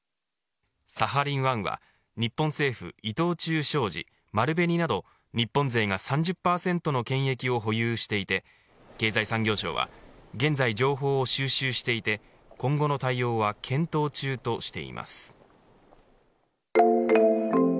サハリン１は日本政府伊藤忠商事丸紅など日本勢が３０％の権益を保有していて経済産業省は現在、情報を収集していて今後の対応は検討中としています。